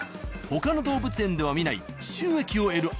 他の動物園で見ない？